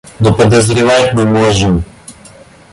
Но подозревать мы можем.